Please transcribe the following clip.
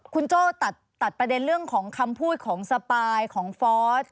คุณโจ้ตัดประเด็นเรื่องของคำพูดของสปายของฟอส